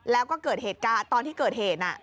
แล้วก็เกิดเหตุการณ์ตอนที่เกิดเหตุ